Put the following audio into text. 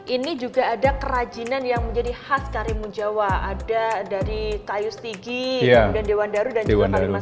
ini juga ada kerajinan yang menjadi khas karimun jawa ada dari kayu stigi kemudian dewan daru dan juga kayumas